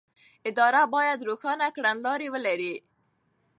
اداره باید روښانه کړنلارې ولري.